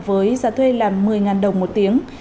với giá thuê là một mươi đồng một tiếng